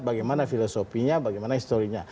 bagaimana filosofinya bagaimana historinya